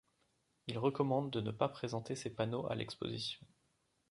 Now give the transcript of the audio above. Ils recommandent de ne pas présenter ces panneaux à l'exposition.